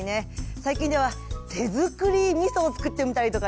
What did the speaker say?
最近では手づくりみそをつくってみたりとかね。